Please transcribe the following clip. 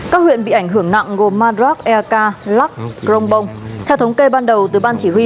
các huyện bị ảnh hưởng nặng gồm madrak erka lắc grongbong theo thống kê ban đầu từ ban chỉ huy